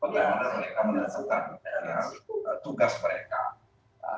bagaimana mereka menentukan tugas mereka